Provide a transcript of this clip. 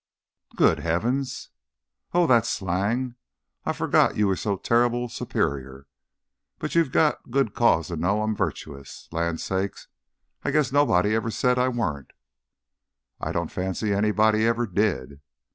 "Good heaven!" "Oh, that's slang. I forgot you were so terrible superior. But you've got good cause to know I'm virtuous. Lands sakes! I guess nobody ever said I warn't." "I don't fancy anybody ever did."